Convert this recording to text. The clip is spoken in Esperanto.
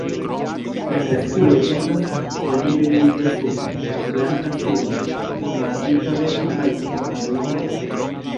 Plenkreskuloj estas olive-griza supren, blanka suben, kun maldika beko kaj kun mallonga vosto.